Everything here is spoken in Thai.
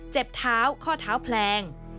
เจ็บเท้าข้อเท้าแพลง